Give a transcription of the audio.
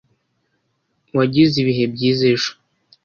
wagize ibihe byiza ejo